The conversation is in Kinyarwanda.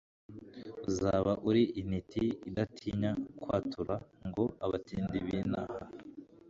uzaba uri intiti Idatinya kwatura Ngo abatindi binaha